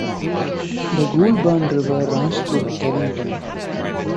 The Goulburn River runs through Kevington.